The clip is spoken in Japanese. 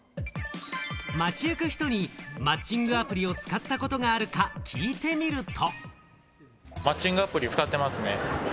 街ゆく人にマッチングアプリを使ったことがあるか聞いてみると。